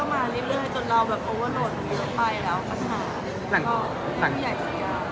พี่ใหยเคียว